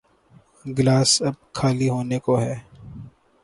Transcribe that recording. Glass اب خالی ہونے کو ہے۔